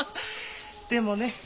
でもね